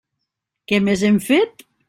Què més hem fet?